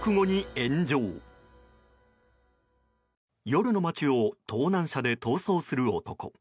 夜の街を盗難車で逃走する男。